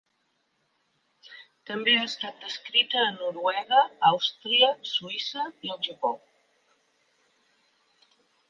També ha estat descrita a Noruega, Àustria, Suïssa i el Japó.